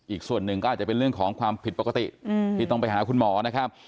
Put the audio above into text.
อีกส่วนหนึ่งก็อาจจะเป็นเรื่องของความผิดปกติที่ต้องไปหาคุณหมอนะครับ